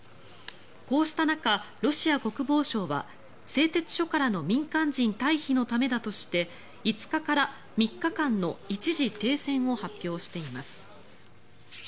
こうした中、ロシア国防省は製鉄所からの民間人退避のためだとして５日から３日間の一時停戦を発表しています。